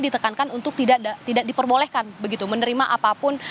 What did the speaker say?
ditekankan untuk tidak diperbolehkan begitu menerima apapun